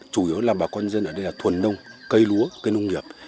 chủ yếu là bà con dân ở đây là thuần nông cây lúa cây nông nghiệp